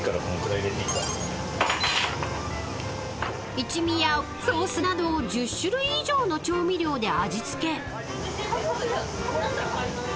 ［一味やソースなど１０種類以上の調味料で味付け］